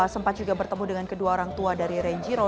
sempat juga bertemu dengan kedua orang tua dari renjiro